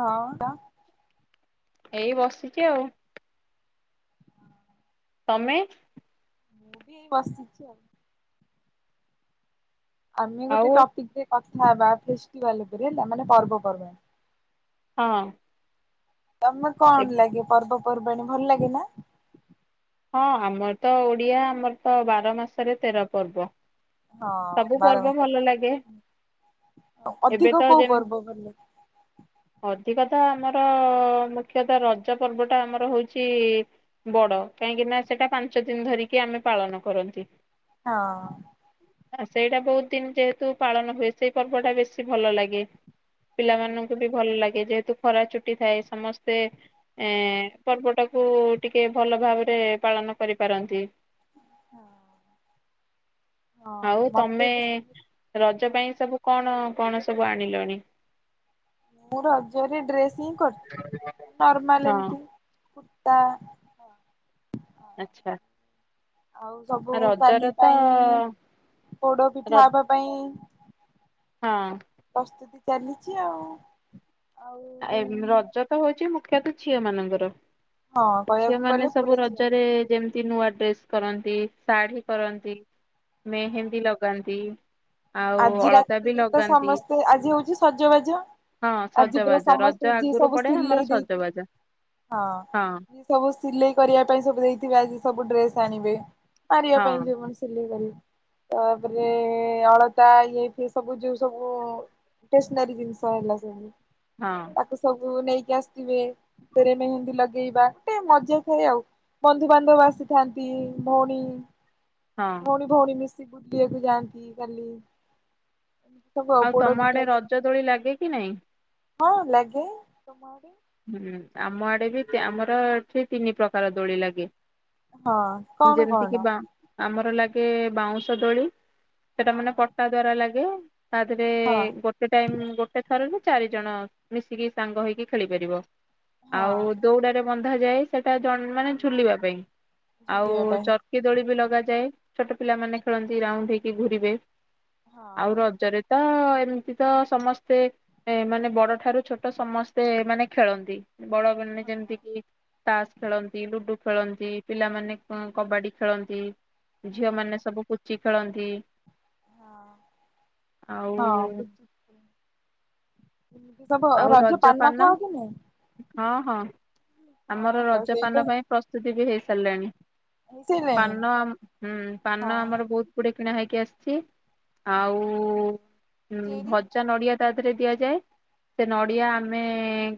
ହଁ [unintelligible] ଏଇ ବସିଚି ଆଉ। ତମେ? ମୁଁ ବି ଏଇ ବସିଛି ଆଉ। ଆମେ ଗୋଟେ ଆଉ ଟପିକ୍‌ ରେ କଥା ହେବା ଫେଷ୍ଟିଭାଲ ଉପରେ ହେଲା ମାନେ ପର୍ବ ପର୍ବାଣି। ହଁ। ତମେ ଏ କଣ୍‌ ଲାଗେ ପର୍ବପର୍ବାଣିୀ ଭଲ୍‌ ଲାଗେ ନା? ହଁ ଆମର୍ ତ ଓଡିଆ ଆମର୍‌ ତ ବାର ମାସରେ ତେର ପର୍ବ। ହଁ ସବୁ ବାର ପର୍ବ ମାସ ଭଲ ଲାଗେ। ଏବେ ଅଧିକ କୋଉ ଯେମ ପର୍ବ ଭଲ୍ [unintelligible] ଅଧିକ ତ ଆମର ମୁଖ୍ୟତଃ ରଜ ପର୍ବ ଟା ଆମର ହଉଚି ବଡ କାହିଁକି ନା ସେଟା ପାଞ୍ଚ ଦିନ୍‌ ଧରିକି ଆମେ ପାଳନ କରନ୍ତି। ହଁ। ସେଇଟା ବହୁତ୍‌ ଦିନ୍‌ ଯେହେତୁ ପାଳନ ହୁଏ ସେଇ ପର୍ବ ଟା ବେଶୀ ଭଲ ଲାଗେ। ପିଲାମାନଙ୍କୁ ବି ଭଲ୍ ଲା ଗେ ଯେହେତୁ ଖରା ଚୁଟି ଥାଏ ସମସ୍ତେ ଏଁ ପର୍ବ ଟାକୁ ଟିକେ ଭଲ ଭାବରେ ରେ ପାଳନ କରିପାରନ୍ତି। ହଁ। ଆଉ ମତେ ତମେ ବି ସେମିତି ରଜ ହଁ। ପାଇଁ ସବୁ କଣ କଣ ସବୁ ଆଣିଲଣି? ମୁଁ ରଜରେ ଡ୍ରେସ୍ ହିଁ କରଥି ଅ ନର୍ମାଲ ହଁ ଏମତି କୁର୍ତ୍ତା। ଆଚ୍ଛା। ଆଉ ସବୁ କାଲି ରଜରେ ତ ପାଇଁ ର ପୋଡ଼ପିଠା ହବା ପାଇଁ ହଁ। ପ୍ରସ୍ତୁତି ଚାଲିଚି ଆଉ। ଆଉ ଆ ଏମ୍ ରଜ ତ ହଉଚି ମୁଖ୍ୟତଃ ଝିଅମାନଙ୍କର। ହଁ କହିବାକୁ ଝିଅମାନେ ଗଲେ ପୁରା ସବୁ ଝିଅ ରଜରେ ହଁ ଯେମତି ନୂଆ ଡ୍ରେସ କରନ୍ତି। ଶାଢୀ କରନ୍ତି ହଁ ମେହେନ୍ଦୀ ଲଗାନ୍ତି। ଆଉ ଆଜି ଅଳତା ବି ରାତିରେ ତ ଲଗାନ୍ତି। ସମସ୍ତେ ଆଜି ହୋଉଚି ସଜବାଜ ହଁ ଆଜି ତିବିର ସଜବାଜ ରଜ ସମସ୍ତେ ଯିଏ ଆଗରୁ ସବୁ ପଡେ ଆମର ସିଲେଇ ଦେଇଥି ସଜବାଜ ହଁ ଯିଏ ସବୁ ସିଲେଇ କରିବା ପାଇଁ ସବୁ ଦେଇଥିବେ ଆଜି ସବୁ ଡ୍ରେସ ଆଣିବେ। ମାରିବା ପାଇଁ ହଁ ଯୋଉ ମାନେ ସିଲେଇ କରି ତାପରେ ଅଳ ତା ଇଏ ଫିଏ ସବୁ ଯୋଉ ସବୁ ଟେସନାରୀ ଜିନିଷ ହେଲା ସବୁ। ହଁ। ଉ ସବୁ ନେଇକି ଆସଥିବେ ଫେରେ ମେହେନ୍ଦୀ ଲଗେଇବା ଗୋଟେ ମଜା ଥାଏ ଆଉ। ବନ୍ଧୁବାନ୍ଧବ ଆସିଥାନ୍ତି ଭଉଣୀ ହଁ ଭଉଣୀ ଭଉଣୀ ମିଶି ବୁଲିବାକୁ ଯାଆନ୍ତି କାଲି। ଏମିତି ସବୁ ଆଉ ତମ ଆଡେ ପୋଡ଼ପିଠା ରଜ ଦୋଳି ଲାଗେ କି ନାଇଁ? ହଁ ଲାଗେ, ତୁମ ଆଡ଼େ? ହୁଁ ଆମ ଆଡ଼େ ବି ତ୍ୟା ଆମର ଏଠି ତିନି ପ୍ରକାର ଦୋଳି ଲାଗେ। ହଁ କଣ ଯେମତି କିି କଣ ବାଁ ଆମର ଲାଗେ ବାଉଁଶ ଦୋଳି। ସେଟା ହଁ ମାନେ ପଟା ଦ୍ଵାରା ଲାଗେ ତା ଦେହରେ ହଁ ଗୋ ଟେ ଟାଇମ୍ ଗୋଟେ ଥରରେ ଚାରି ଜଣ ମିଶିକି ସାଙ୍ଗ ହେଇକି ଖେଳିପାରିବ ହଁ ଆଉ ଦୋଉଡାରେ ବନ୍ଧାଯାଏ ସେଟା ଜଣ ମାନେ ଝୁଲିବା ପାଇଁ ଆଉ ଝୁଲିବା ପାଇଁ ଚ କି ଦୋଳି ବି ଲଗାଯାଏ ଛୋଟ ପିଲାମାନେ ଖେଳନ୍ତି ରାଉଣ୍ଡ ହେଇକି ଘୁରିବେ ହଁ ଆଉ ହଁ ରଜରେ ତ ଏମତି ତ ସମସ୍ତେ ଏ ମାନେ ବଡ଼ ଠାରୁ ଛୋଟ ସମସ୍ତେ ମାନେ ଖେଳନ୍ତି ବଡ଼ ମାନେ ଯେମିତି ହଁ କି ତାସ୍ ଖେଳନ୍ତି ଲୁଡୁ ଖେଳନ୍ତି। ପିଲାମାନେ କଁ କବାଡ଼ି ଖେଳନ୍ତି। ହୁଁ ଝିଅମାନେ ସବୁ କୁଚି ଖେଳନ୍ତି ହଁ ଆଉ ହୁଁ। ଏମିତି ସବୁ ଆଉ ରଜ ପାନ ଖାଅ କି ନାଇ? ହଁ ହଁ ଆମର ହଁ ର ସେଇ ରଜପାନ ତ ପାଇଁ ପ୍ରସ୍ତୁତି ବି ହେଇ ସାରିଲାଣି ହେଇସାରିଲାଣି ପାନ ହୁଁ ପାନ ହଁ ଆମର ବହୁତ୍ ଉଡ଼େ କିଣା ହେଇକି ଆସଚି ହଁ ଆଉ ଉଁ ଚେରି ଭ ଚା ନଡ଼ିଆ ତା ଧେରେ ଦିଆଯାଏ। ସେ ନଡ଼ିଆ ଆମେ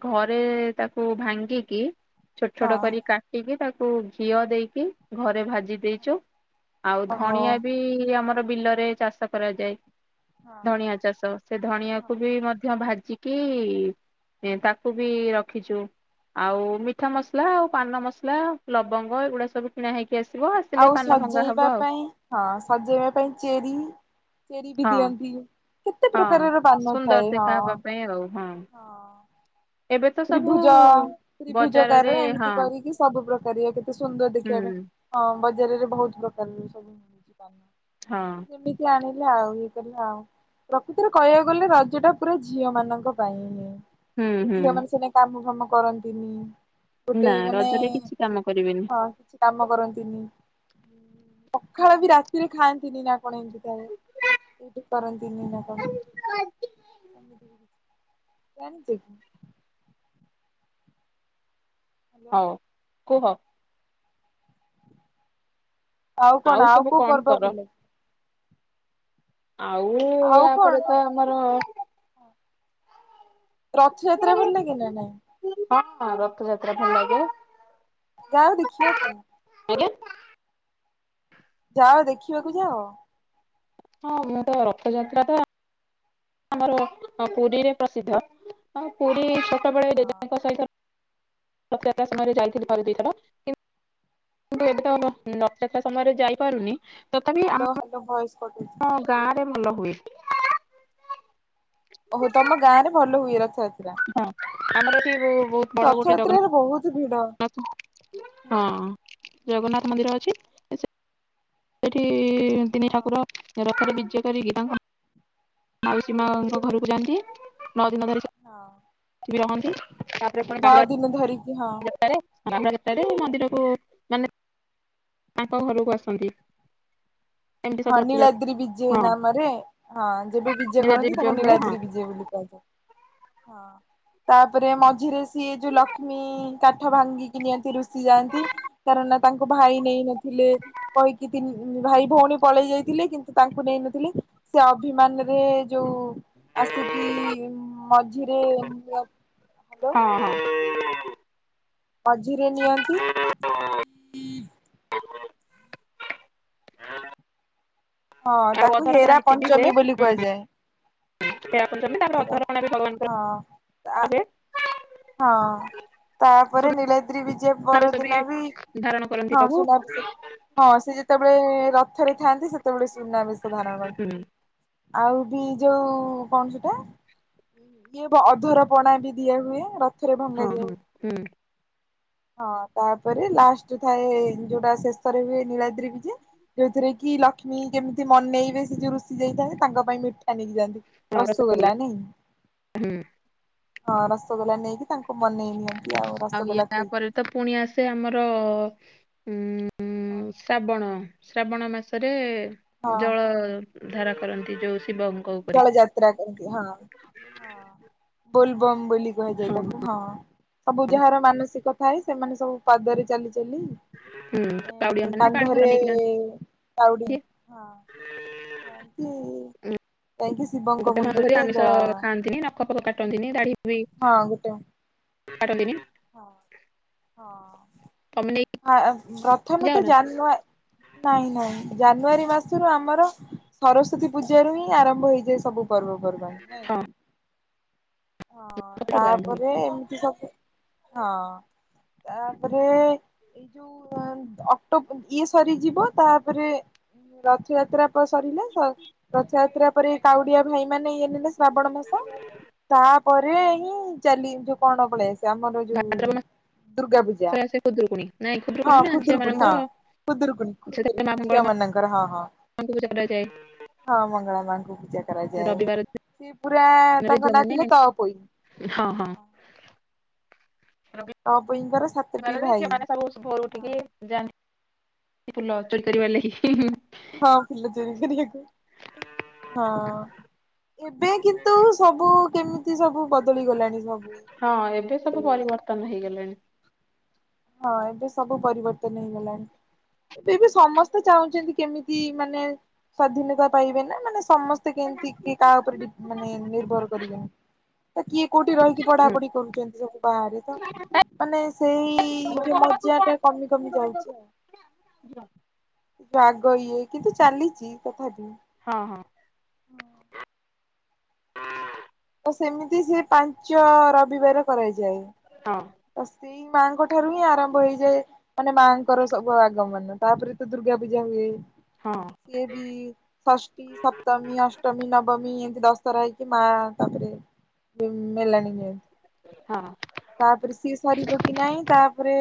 ଘରେ ତାକୁ ଭାଙ୍ଗିକି ଛୋଟ ଛୋଟ ହଁ କରି କା ଟିକି ତାକୁ ଘିଅ ଦେଇକି ଘରେ ଭାଜି ଦେଇଚୁ। ଆଉ ଓହୋ ଧଣିଆ ବି ଆମର ବିଲରେ ଚାଷ କରାଯାଏ। ହଁ ଧଣିଆ ଚାଷ ସେ ହଁ ଧଣିଆକୁୁ ବି ମଧ୍ୟ ଭାଜିକି ଏ ତାକୁ ବି ରଖିଚୁ ଆଉ ମିଠା ମସଲା ଆଉ ପାନ ମସଲା ଲବଙ୍ଗ ଏଗୁଡା ସବୁ କିଣା ହେଇକି ଆସିବ ଆ ଆଉ ସଜେଇବା ପାଇଁ ହଁ ସଜେଇବା ପାଇଁ ଚେରି ଚେରି ବି ହଁ ଦିଅନ୍ତି। କେତେ ହଁ ପ୍ରକାରର ପାନ ସୁନ୍ଦର ଥାଏ ହଁ ଦେଖା ହବା ପାଇଁ ଆଉ ହଁ। ଏବେ ତ ସବୁ ତ୍ରିଭୁଜ ବଜାରରେ ତ୍ରିଭୁଜକାର ଏମତି ହଁ କରିକି ସବୁ ପ୍ରକାରିଆ କେତେ ସୁନ୍ଦର ଦେଖିବା ପାଇଁ। ହୁଁ। ହଁ ବଜାରରେ ବହୁତ ପ୍ରକାରର ଜିନିଷ ମିଳୁଛି ହଁ ଆଣ ଲେ ଆଉ ଇଏ କଲେ ଆଉ ପ୍ରକୃତରେ କହିବାକୁ ଗଲେ ରଜ ଟା ପୁରା ଝିଅ ମାନଙ୍କ ପାଇଁ ହୁଁ ହୁଁ ଝିଅ ମାନେ ସେଦିନ କାମ ଫାମ କରନ୍ତିନି ଗୋଟେ ନା ମାନେ ରଜରେ କିଛି କାମ କରିବେନି। ହଁ କାମ କରନ୍ତିନି ପଖାଳ ବି ରାତିରେ ଖାଆନ୍ତିନି ନା କଣ ଏମିତି ଥାଏ ଏଇଠି କରନ୍ତିନି ନା କଣ [unintelligible] ହ୍ୟାଲୋ ହଉ କୁହ ଆଉ କଣ ଆଉ ସବୁ କୋଉ କଣ ପର୍ବ କର? ବଲେ ଆଉ ଆଉ କଣ ୟାପରେ ତ ଆମର ରଥଯାତ୍ରା ଭଲ ଲାଗେ ନା ନାହିଁ ହଁଁ ରଥଯାତ୍ରା ଭଲ ଲାଗେ ଯାଅ ଦେଖିବାକୁ ଆଜ୍ଞା ଯାଅ ଦେଖିବାକୁ ଯାଅ ହଁ ମୁଁ ତ ରଥଯାତ୍ରା ଟା ଆମର ପୁରୀରେ ପ୍ରସିଦ୍ଧ ପୁରୀ ଛୋଟବେଳେ ଜେଜେଙ୍କ ସହିତ ରଥଯାତ୍ରା ସମୟରେ ଯାଇଥିଲି ଥରେ ଦି ଥର କିନ୍ତୁ ଏବେ ତ ରଥଯାତ୍ରା ସମୟରେ ଯାଇପାରୁନି ହ୍ୟାଲୋ ହ୍ୟାଲୋ ଭଏସ୍ କଟୁଚି ହଁ ଗାଁ ରେ ଭଲ ହୁଏ ଓହୋ ତମ ଗାଁ ରେ ଭଲ ହୁଏ ରଥଯା ହଁ ଆମର ଏଠି ବ ବଡ ଗୋଟେ ରଥଯାତ୍ରାରେ ବହୁତ ଭିଡ। ଜଗନ୍ନାଥ ହୁଁ ହଁ ହୁଁ। ଜଗନ୍ନାଥ ମନ୍ଦିର ଅଛି ସେ ସେଠି ତିନି ହଁ ଠାକୁର ରଥ ରେ ବିଜେ କରିକି ତାଙ୍କ ମାଉସୀ ମାଙ୍କ ଘରକୁ ଯାଆନ୍ତି ନଅ ଦିନ ଧରି ହଁ ସେଠି ବି ରହନ୍ତି। ନଅ ଦିନ ଧରିକି ହଁ ତାରେ ତାଙ୍କ ଭିତରେ ମନ୍ଦିରକୁ ମାନେ ତାଙ୍କ ଘରକୁ ଆସନ୍ତି ଏମିତି ହଁ ସବୁ ରଥଯାତ୍ରା ନୀଳଦ୍ରି ବିଜେ ହଁ ନାମରେ ହଁ ଯେବେ ବିଜେ ନୀଳାଦ୍ରି କରନ୍ତି ବିଜେ ତାଙ୍କୁ ହୁଏ ହଁ ନୀଳାଦ୍ରୀ ବିଜେ ବୋଲି କୁହାଯାଏ, ହଁ। ତାପରେ ମଝିରେ ସିଏ ଯୋଉ ଲକ୍ଷ୍ମୀ କାଠ ଭାଙ୍ଗିକି ନିଅନ୍ତି ରୁଷି ଯାଆନ୍ତି। କାରଣ ନା ତାଙ୍କୁ ଭାଇ ନେଇ ନଥିଲେ କହିକି ତିିନ୍ ଭାଇ ଭଉଣୀ ପଳେଇ ଯାଇଥିଲେ କିନ୍ତୁ ତାଙ୍କୁ ନେଇନଥିଲେ ସେ ଅଭିମାନରେ ଯୋଉ ଆସିକି ମଝିରେ ହାଲୋ। ହଁ ହଁ ମଝିରେ ନିଅନ୍ତି। [inaudible] ହଁ ତାକୁ ହେରା ପଞ୍ଚମୀ ବୋଲି କୁହାଯାଏ। [unintelligible] ହଁ [unintelligible] ହଁ ତାପରେ ନୀଳାଦ୍ରୀ ବିଜେ ପରଦିନ ବି ହଇରାଣ କରନ୍ତି ହଁ ସବୁ।। ସୁନାଭିଷେକ। ହଁ ସେ ଯେତେବେଳେ ରଥରେ ଥାଆନ୍ତି ସେତେବେଳେ ସୁନା ବେଷ ଧାରଣ ହୁଁ କର ଆଉ ବି ଯୋଉ କଣ ସେଟା ଇଏପା ଅଧର ପଣା ବି ଦିଆ ହୁଏ ରଥରେ ହଁ ଭଙ୍ଗାଯାଏ। ହଁ ହୁଁ ହଁ ତାପରେ ଲାଷ୍ଟରେ ଥାଏ ଯୋଉଟା ଶେଷରେ ହୁଏ ନୀଳାଦ୍ରି ବିଜେ ଯୋଉଥିରେ କି ଲକ୍ଷ୍ମୀ କେମିତି ମନେଇବେ ସେ ଯୋଉ ରୁଷି ଯାଇଥାନ୍ତି ତାଙ୍କ ପାଇଁ ମିଠା ନେଇକି ଯାଆନ୍ତି। ରସଗୋଲା ନାଇଁ ହୁଁ। ହଁ ରସଗୋଲା ନେଇକି ତାଙ୍କୁ ମନେଇ ନିିଅ ଆଉ ୟା ପରେ ତ ପୁଣି ଆସେ ଆମର ଉଁ ଉଁ ଶାବଣ। ଶ୍ରାବଣ ମାସରେ ହଁ ଜଳ ଧାରା କରନ୍ତି ଯୋଉ ଶିବ ଜଳ ଯାତ୍ରା କରନ୍ତି ହଁ ହଁ ବୋଲବମ ବୋଲି କୁହାଯାଏ ତାକୁ ହଁ। ସବୁ ଯାହାର ମାନସିକ ଥାଏ ସେମାନେ ସବୁ ପାଦରେ ଚାଲି ଚାଲି ହୁଁ କାଉଡିଆ ଏ ମାନେ ପାଣି ଭାର କାନ୍ଧରେ ନେଇକି କାଉଡି ଯାଆନ୍ତି ହଁ। ନାନ୍ତି ଉଁ, ଏମିତି ଗୋଟେ ମାସ ଧରି ଆମିଷ ଖାଆନ୍ତିନି ନା ନଖପଖ କାଟନ୍ତିନି ଦାଢି ବି ହଁ ଗୋଟେ କାଟନ୍ତିନି। ହଁ ତମେ ନେଇକି ହଁ ଅଏ ପ୍ରଥମେ ଯାଅ ତ ନା ଜାନୁଆ ନାଇଁ ନାଇଁ ଜାନୁଆରୀ ମାସରୁ ଆମର ସରସ୍ଵତୀ ପୂଜାରୁ ହିଁ ଆରମ୍ଭ ହୋଇଯାଏ ସବୁ। ପର୍ବପର୍ବାଣି ନାଇଁ। ହଁ ହଁ ସବୁଠୁ ଆରମ୍ଭ ହୁଏ। ତାପରେ ଏମିତି ସବୁ ହଁ ତାପରେ ଏଇ ଯୋଉ ଅକ୍ଟୋବ ଇଏ ସରିଯିବ ତାପରେ ରଥଯାତ୍ରା ସରିଲେ ର ରଥଯାତ୍ରା ପରେ କାଉଡିଆ ଭାଇ ମାନେ ଇଏ ନେଲେ ଶ୍ରାବଣ ମାସ। ତାପରେ ହିଁ ଚାଲି ଯୋଉ କଣ ପଳେଇ ଆସେ ଆମର ଯୋଉ ଭାଦ୍ରବ ଦୁର୍ଗା ପୂଜା ମାସରେ ଆସେ ଖୁଦୁରୁକୁଣୀ ନାଇଁ ହଁ ଖୁଦୁରୁକୁଣୀ ନା ଝିଅ ଖୁଦୂରୁକୁଣି ହଁ। ମାନଙ୍କର ଖୁଦୁରୁକୁଣୀ ସେଥିରେ ମା ଖୁଦୁରୁକୁଣୀ ମଙ୍ଗଳା ଝିଅମାନଙ୍କର ହଁ ହଁ। ମାଙ୍କୁ ପୂଜା କରାଯାଏ ହଁ ମଙ୍ଗଳାମାଙ୍କୁ ପୂଜା କରାଯାଏ। ରବିବାର ସିଏ ପୁରା ତାଙ୍କ ନା ଥିଲେ ତପୋଇ। ଏ ହଁ ହଁ। ତଅପୋଇଙ୍କର ସା [unintelligible] ଝିଅମାନେ ସବୁ ଭୋରୁ ଉଠିକି ଯାଆନ୍ତି ଫୁଲ ଚୋରି କରିବା ଲାଗି। ହିଁ ହିଁ ହଁ ଫୁଲ ଚୋରି କରିବାକୁ। ହଁ ଏବେ କିନ୍ତୁ ସବୁ କେମି ତି ସବୁ ବଦଳି ଗଲାଣି ସବୁ ହୁଁ। ଉତ୍ତମ ହେଇଗଲାଣି। ହଁ ଏବେ ସବୁ ପରିବର୍ତ୍ତନ ହେଇଗଲାଣି। ଏବେ ଏବେ ସମସ୍ତେ ଚାହୁଁଛନ୍ତି କେମିତି ମାନେ ସ୍ଵାଧୀନତା ପାଇବେ ନା ମାନେ ସମସ୍ତେ କେମିତି କିଏ କାହା ଉପରେ ଡି ମାନେ ନିର୍ଭର କରିବେନି ତ କିଏ କୋଉଠି ରହିକି ପଢାପଢି କରୁଛନ୍ତି ସବୁ ବାହାରେ ତ ମାନେ ସେଇ ହଁ ହଁ ମଜା ଟା କମି କମି ଯାଉଚି ଆଉ। ଯୋ ଆଗ ଇଏ କିନ୍ତୁ ଚାଲିଚି ତଥାପି। ହଁ ହଁ। ହଁ। ହଁ। ସେମିତି ସେ ପାଞ୍ଚ ରବିବାର କରାଯାଏ। ହଁ। ତ ସେଇ ମାଆଙ୍କ ଠାରୁ ହିଁ ଆରମ୍ଭ ହେଇଯାଏ ମାନେ ମାଙ୍କର ସବୁ ଆଗମନ ତାପରେ ତ ଦୁର୍ଗା ପୂଜା ହୁଏ। ହଁ। ଇଏ ବି ଷଷ୍ଠୀ, ସପ୍ତମୀ, ଅଷ୍ଟମୀ, ନବମୀ, ଏମତି ଦଶ ଥର ହେଇକି ମା ତାପରେ [unintelligible] ମେଲାଣି ନିଏ ହଁ ତା ପରେ ସିଏ ସରିବ କି ନାଇଁ ତାପରେ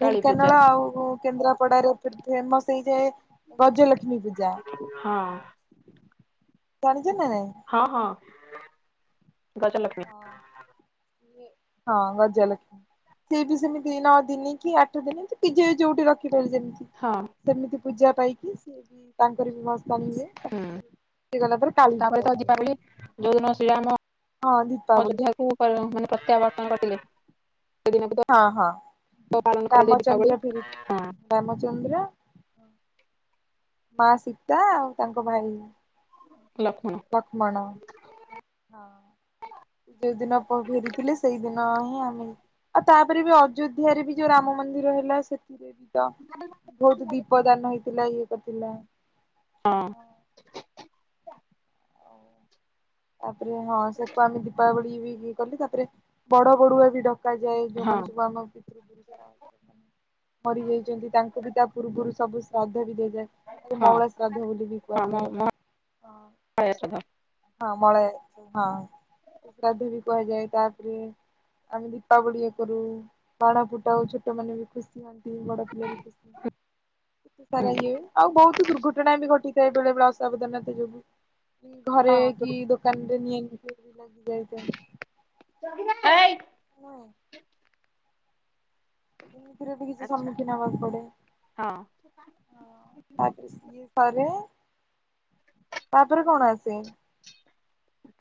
କାଳୀ ଢେଙ୍କାନାଳ ପୂଜା ଆଉ କେନ୍ଦ୍ରାପଡାରେ ସେ ଫେମସ୍ ହେଇଯାଏ ଗଜଲକ୍ଷ୍ମୀ ବି ହଁ। ଜାଣିଚ ନା ନାଇଁ ହଁ ହଁ ଗଜଲକ୍ଷ୍ମୀ। ହଁ ଗଜଲକ୍ଷ୍ମୀ। ସେଇ ବି ସେମିତି ନଅ ଦିନି କି ଆଠ ଦିନି କି ଯିଏ ଯୋଉଠି ରଖି [unintelligible] ହଁ। ସେମିତି ପୂଜା ପାଇକି ସିଏ ବି ତାଙ୍କର ବି ଭସାଣି ହୁଏ। ହୁଁ ସେ ଗଲା ପରେ ତାପରେ କାଳୀ। ତ ଦୀପାବଳି ଯୋଉଦିନ ଶ୍ରୀରାମ ହଁ ଦୀପାବଳି ଅଯୋଧ୍ୟାକୁ [unintelligible] ମାନେ ପ୍ରତ୍ୟାବର୍ତ୍ତନ କରିଥିଲେ। ସେ ଦିନକୁ ହଁ ହଁ ତ ପାଳନ କରାଯାଏ ରାମଚନ୍ଦ୍ର ଦୀପାବଳୀ। ଫେରି ହଁ। ରାମଚନ୍ଦ୍ର ମା ସୀତା ଆଉ ତାଙ୍କ ଭାଇ ଲକ୍ଷ୍ମଣ। ଲକ୍ଷ୍ମଣ। ହୁ। ଯୋଉ ଦିନ [unintelligible] ଫେରିଥିଲେ ସେଇଦିନ ହିଁ ଆମେ ଆଉ ତାପରେ ବି ଅଯୋଧ୍ୟାରେ ବି ଯୋଉ ରାମ ମନ୍ଦିର ହେଲା ସେ [unintelligible] ଭଉତୁ ଦୀପ ଦାନ ହେଇଥିଲା ଇଏ କରିଥିଲା। ହଁ। ତାପରେ ହଁ ସେକୁ ଆମେ ଦୀପାବଳି ବି ବିଏ କଲୁ ତାପରେ ବଡ଼ ବଡ଼ୁଆ ବି ଡ କୁହାଯାଏ ଯୋଉ ହଁ ମାନେ ସବୁ ଆମ ପିତୃ ମରି ଯାଇଚନ୍ତି ତାଙ୍କୁ ବି ତା ପୂର୍ବରୁ ସବୁ ଶ୍ରାଦ୍ଧ ବି ଦିଆଯାଏ। ତାକୁ ହଁ ମଉଳା ଶ୍ରାଦ୍ଧ ବୋଲି ବି ହଁ ମୋ କୁହାଯାଏ। ମୋ ହଁ ଶ୍ରାଦ୍ଧ ହଁ ମଳ ହଁ ଶ୍ରାଦ୍ଧ ବି କୁହାଯାଏ ତାପରେ ଆମେ ଦୀପାବଳୀ ଏ କରୁ। ବାଣ ଫୁଟାଉ ଛୋଟମାନେ ବି ଖୁସି ହୁଅନ୍ତି ବଡ ପିଲା ବି ଖୁସି ଏତେ ସାରା ଇଏ ଆଉ ବହୁତୁ ଦୁର୍ଘଟଣା ବି ଘଟିଥାଏ ବେଳେ ବେଳେ ଅସାବଧାନତା ଯୋଗୁ। ଘରେ ହଁ କି ଦୋକାନ ରେ ନିଆଁ [unintelligible] ଜଗିବେନି ଏଇ ହଁ। ସେଇଥିରେ ବି କିଛି ଆଚ୍ଛା ସମ୍ମୁଖୀନ ହବାକୁ ପଡେ। ହଁ ହଁ [unintelligible] ଘରେ। ତାପରେ କଣ ଆସେ?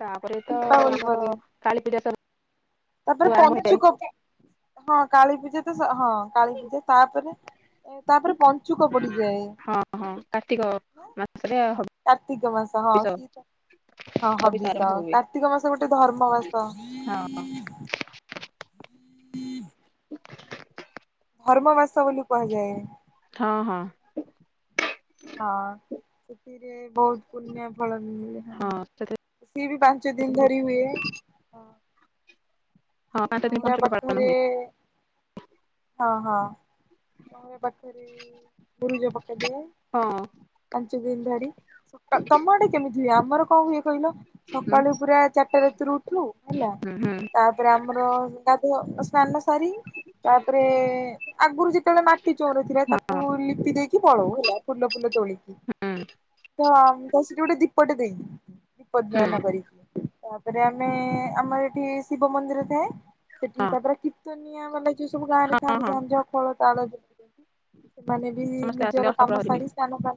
ତାପରେ ତ ଦୀପାବଳି ଆମର ପରେ କାଳୀ ପୂଜା ସବୁ ତାପରେ ଆରମ୍ଭ ହେଇଯାଏ ପଞ୍ଚୁକ ହଁ କାଳୀ ପୂଜା ଇଏ ସେ ହଁ କାଳୀପୂଜା ତାପରେ ତାପରେ ପଞ୍ଚୁକ ପଡିଯାଏ। ହଁ କାର୍ତ୍ତିକ ମାସରେ କାର୍ତ୍ତିକ ମାସ ହଁ ହବିଷ ସେ [unintelligible] ହଁ ଆରମ୍ଭ ହବିଷ ହୁଏ। କାର୍ତ୍ତିକ ମାସ ଗୋଟେ ଧର୍ମ ମାସ। ହଁ। ଧର୍ମ ମାସ ବୋଲି କୁହାଯାଏ। ହଁ ହଁ। ହଁ ସେଠିରେ ବହୁତ ପୁଣ୍ୟ ଫଳ ବି ମିଳେ। ହଁ ସିଏ ବି ପାଞ୍ଚ ଦିନ ସବୁ ଧରି ହୁଏ। ହଁ ହଁ ପାଞ୍ଚ ଦିନ ମଉରା ପଞ୍ଚୁକ ପାଳନ ପାଖରେ ହୁଏ। ହଁ ହଁ [unintelligible] ପାଖରେ ମୁରୁଜ ପକେଇଦିଏ ହଁ। ପାଞ୍ଚ ଦିନ ଧରି ତମ ତମ ଆଡେ କେମିତି ହୁଏ ଆମର କଣ ହୁଏ କହିଲ ହୁଁ ସକାଳୁ ପୁରା ଚାରିଟା ରାତିରୁ ଉଠୁ ହେଲା ହୁଁ ହୁଁ। ଗ୍ରାମର ସ୍ନାନ ସାରି ତାପରେ ଆଗରୁ ଯେତେବେଳେ ମାଟି ଚଉରା ଥିଲା ତାକୁ ହଁ ଲିପି ଦେଇ କି ପଳଉ ହେଲା ଫୁଲ ଫୁଲ ତୋଳି କି ହୁଁ ତ ତା ସେଟି ଗୋଟେ ଦୀପ ଟେ ଦେଇ ଦୀପ ହୁଁ ଦାନ କରିକି ତାପରେ ଆମେ ଆମର ଏଠି ଶିବ ମନ୍ଦିର ଥାଏ ସେଠି ହଁ ତାପରେ କୀତ୍ତନିଆ ମାନେ ଯୋଉ ସବୁ ଗାଁରେ ହଁ ଥାନ୍ତି ହଁ ଝାଞ୍ଜ ଫଳ ତାଳ ଯ ସେମାନେ ବି ସମସ୍ତେ ଆସନ୍ତି ନିଜର କାମ ଅଷ୍ଟପ୍ରହରୀ ହୁଏ ସାରି ସ୍ନାନ ପା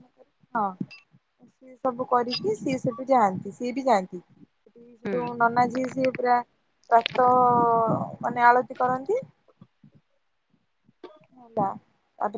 ହଁ ସି ସବୁ କରିକି ସିଏ ସେଠୁ ଯାଆନ୍ତି ସିଏ ବି ଯାଆନ୍ତି। ସେଠି ସେ ହୁଁ। ଯଉ ନନାଝୀ ସିଏ ପୁରା ପ୍ରାତ ମାନେ ଆଳତି କରନ୍ତି ହେଲା ତାପରେ